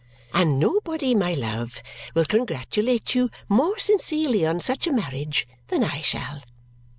And nobody, my love, will congratulate you more sincerely on such a marriage than I shall."